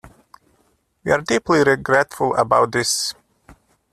We are deeply regretful about this.